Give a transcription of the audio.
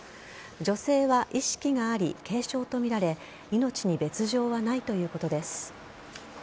女性は意識があり、軽傷と見られ命に別条はないということです。